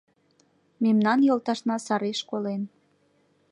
Мемнан йолташна сареш колен.